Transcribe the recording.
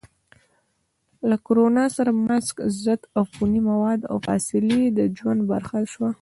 له کرونا سره ماسک، ضد عفوني مواد، او فاصلې د ژوند برخه شوه.